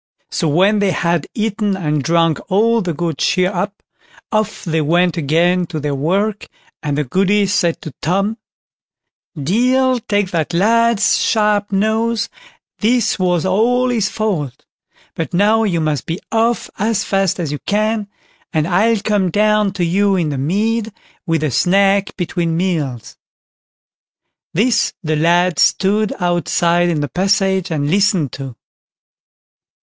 So when they had eaten and drank all the good cheer up, off they went again to their work, and the Goody said to Tom: "Deil take that lad's sharp nose, this was all his fault; but now you must be off as fast as you can, and I'll come down to you in the mead with a snack between meals." This the lad stood outside in the passage and listened to.